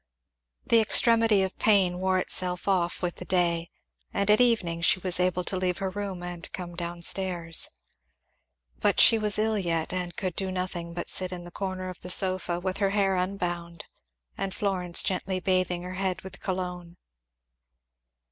The extremity of pain wore itself off with the day, and at evening she was able to leave her room and come down stairs. But she was ill yet, and could do nothing but sit in the corner of the sofa, with her hair unbound, and Florence gently bathing her head with cologne.